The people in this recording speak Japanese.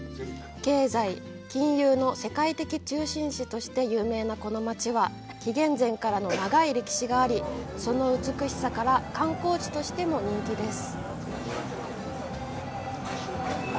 経済、金融の世界的中心地として有名なこの街は、紀元前からの長い歴史があり、その美しさから観光地としても人気です。